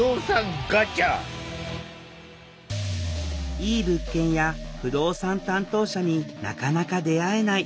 いい物件や不動産担当者になかなか出会えない。